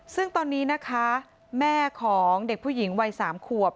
ซึ่งตอนนี้นะคะแม่ของเด็กผู้หญิงวัย๓ขวบ